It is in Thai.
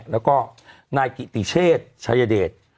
แล้วก็นายกิติเชษชายเดช